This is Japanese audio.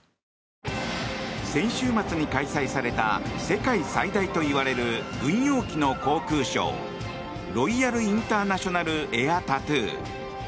先週末に開催された世界最大といわれる軍用機の航空ショーロイヤル・インターナショナル・エア・タトゥー。